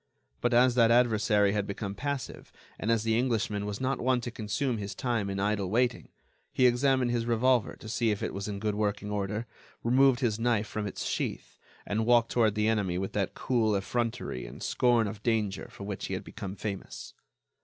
But as that adversary had become passive, and as the Englishman was not one to consume his time in idle waiting, he examined his revolver to see if it was in good working order, remove his knife from its sheath, and walked toward the enemy with that cool effrontery and scorn of danger for which he had become famous.